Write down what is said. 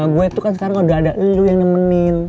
gue itu kan sekarang udah ada lu yang nemenin